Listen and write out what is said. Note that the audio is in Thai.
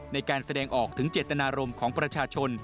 ในการแสดงออกถึงเจตนารมณ์ของประชาชน